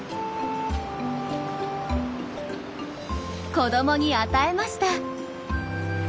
子どもに与えました。